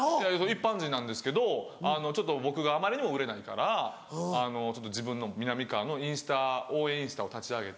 一般人なんですけどちょっと僕があまりにも売れないから自分のみなみかわのインスタ応援インスタを立ち上げて。